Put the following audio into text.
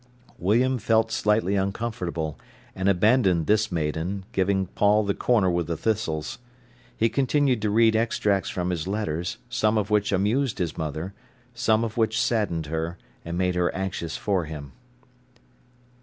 William felt slightly uncomfortable, and abandoned this maiden, giving Paul the corner with the thistles. He continued to read extracts from his letters, some of which amused his mother, some of which saddened her and made her anxious for him.